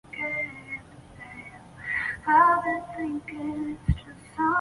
全线均为三线或四线双程分隔快速公路。